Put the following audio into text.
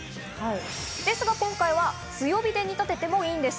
ですが今回は強火でもいいんです。